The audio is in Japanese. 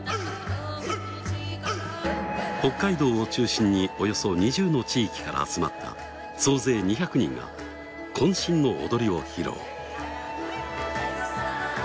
北海道を中心におよそ２０の地域から集まった総勢２００人がこん身の踊りを披露。